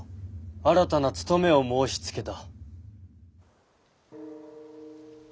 新たな務めを申しつけた。